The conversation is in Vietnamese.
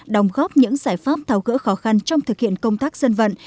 đồng góp những giải pháp tháo gỡ khó khăn trong thực hiện công tác dân vận